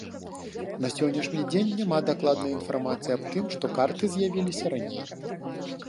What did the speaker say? На сённяшні дзень няма дакладнай інфармацыі аб тым, што карты з'явіліся раней.